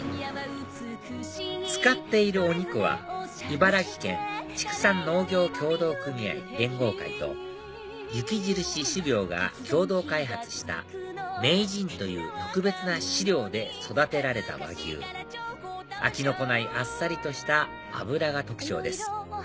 使っているお肉は茨城県畜産農業協同組合連合会と雪印種苗が共同開発した名人という特別な飼料で育てられた和牛飽きの来ないあっさりとした脂が特徴です